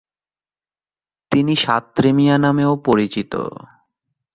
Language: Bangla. তিনি সাতরে মিয়া নামেও পরিচিত।